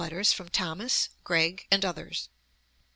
Letters from Thomas, Gregg and others.